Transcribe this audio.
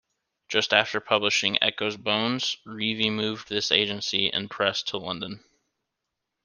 Just after publishing "Echo's Bones", Reavey moved this agency and press to London.